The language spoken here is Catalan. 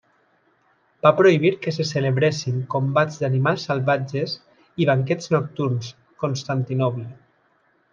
Va prohibir que se celebressin combats d'animals salvatges i banquets nocturns Constantinoble.